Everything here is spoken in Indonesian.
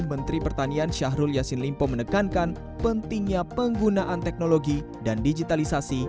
menteri pertanian syahrul yassin limpo menekankan pentingnya penggunaan teknologi dan digitalisasi